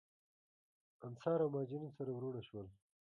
انصار او مهاجرین سره وروڼه شول.